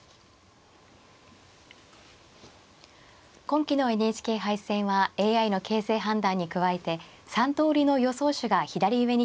今期のＮＨＫ杯戦はＡＩの形勢判断に加えて３通りの予想手が左上に表示されています。